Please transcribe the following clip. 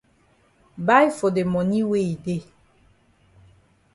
Buy for de moni wey e dey.